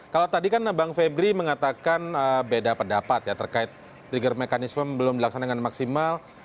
kalau tadi kan bang febri mengatakan beda pendapat ya terkait trigger mekanisme belum dilaksanakan maksimal